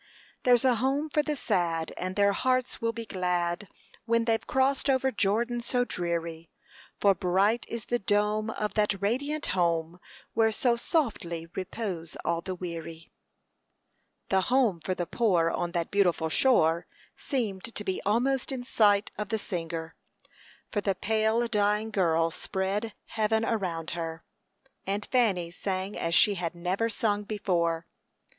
There's a home for the sad, and their hearts will be glad When they've crossed over Jordan so dreary; For bright is the dome of that radiant home Where so softly repose all the weary." The "home for the poor on that beautiful shore" seemed to be almost in sight of the singer, for the pale, dying girl spread heaven around her; and Fanny sang as she had never sung before.